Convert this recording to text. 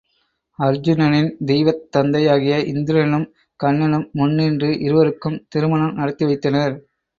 அருச்சுனனின் தெய்வத் தந்தையாகிய இந்திரனும், கண்ணனும் முன் நின்று இருவருக்கும் திருமணம் நடத்தி வைத்தனர்.